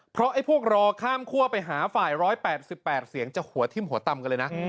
เพราะไอ้พวกรอข้ามคั่วไปหาฝ่าย๑๘๘เสียงจะหัวทิ่มหัวตำกันเลยนะ